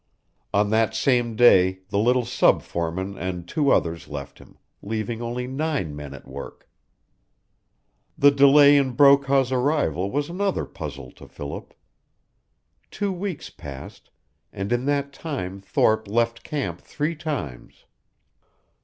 On that same day the little sub foreman and two others left him, leaving only nine men at work. The delay in Brokaw's arrival was another puzzle to Philip. Two weeks passed, and in that time Thorpe left camp three times.